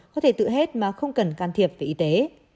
có thể tự hết mà không cần can thiệp về y tế